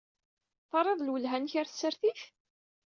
Terriḍ lwelha-nnek ɣer tsertit?